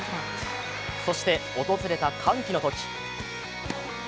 そして訪れた歓喜のとき。